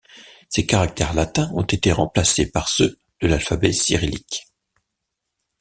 Ces caractères latins ont été remplacés par ceux de l'alphabet cyrillique.